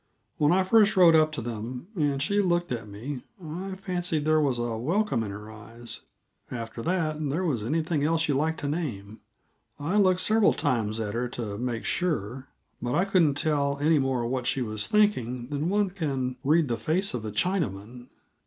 When I first rode up to them, and she looked at me, I fancied there was a welcome in her eyes; after that there was anything else you like to name. I looked several times at her to make sure, but I couldn't tell any more what she was thinking than one can read the face of a Chinaman.